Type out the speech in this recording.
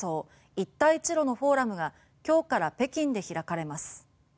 一帯一路のフォーラムが今日から北京で開かれます。